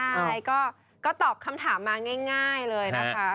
ใช่ก็ตอบคำถามมาง่ายเลยนะคะ